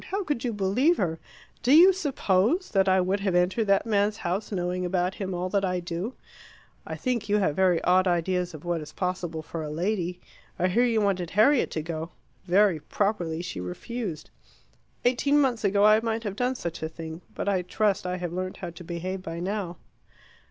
"How could you believe her? Do you suppose that I would have entered that man's house, knowing about him all that I do? I think you have very odd ideas of what is possible for a lady. I hear you wanted Harriet to go. Very properly she refused. Eighteen months ago I might have done such a thing. But I trust I have learnt how to behave by now."